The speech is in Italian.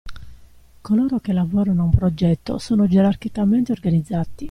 Coloro che lavorano a un progetto sono gerarchicamente organizzati.